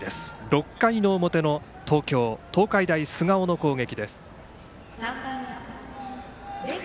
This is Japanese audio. ６回の表の東京・東海大菅生の攻撃です。